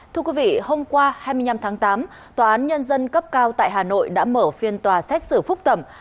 thưa quý vị hôm qua hai mươi năm tháng tám tòa án nhân dân cấp cao tại hà nội đã mở phiên tòa xét xử phúc thẩm